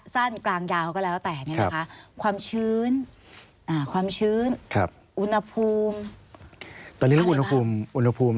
สวัสดีค่ะที่จอมฝันครับ